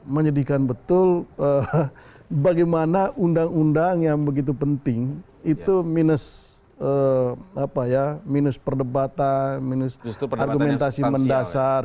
menyedihkan betul bagaimana undang undang yang begitu penting itu minus minus perdebatan minus argumentasi mendasar